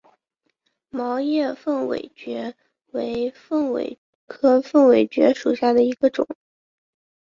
毛叶凤尾蕨为凤尾蕨科凤尾蕨属下的一个种。